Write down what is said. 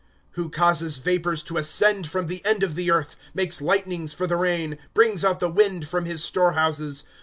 ' Who causes vapors to ascend from the end of the earth, Makes lightnings for the rain, Brings out the wind from his storehouses.